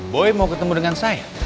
boy mau ketemu dengan saya